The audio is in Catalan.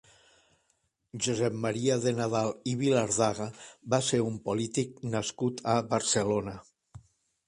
Josep Maria de Nadal i Vilardaga va ser un polític nascut a Barcelona.